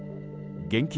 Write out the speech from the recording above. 現金